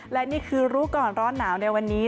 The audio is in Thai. และนี่คือรู้ก่อนร้อนหนาวในวันนี้